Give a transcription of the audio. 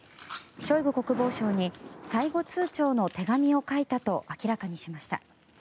ショイグ国防相に最後通ちょうの手紙を書いたと明らかにしました。